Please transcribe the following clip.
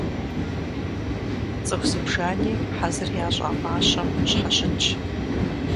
Цӏыху зыбжани хьэзыр ящӏа мащэм щхьэщытщ.